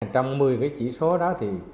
trong một mươi cái chỉ số đó thì